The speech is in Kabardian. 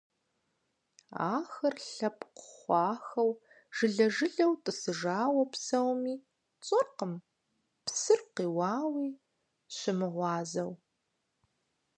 Ахэр лъэпкъ хъуахэу, жылэ-жылэу тӀысыжауэ псэуми, тщӀэркъым, псыр къиуауи щымыгъуазэу.